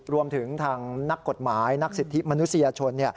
รวมถึงทางนักกฎหมายนักสิทธิมนุษยชน